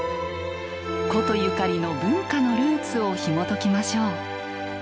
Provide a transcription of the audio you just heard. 古都ゆかりの文化のルーツをひもときましょう。